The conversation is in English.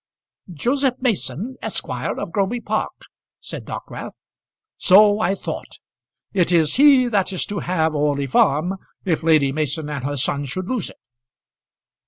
"Joseph Mason, Esquire, of Groby Park," said Dockwrath. "So I thought. It is he that is to have Orley Farm, if Lady Mason and her son should lose it?"